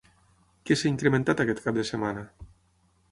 Què s'ha incrementat aquest cap de setmana?